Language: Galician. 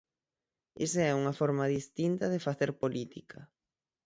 Esa é unha forma distinta de facer política.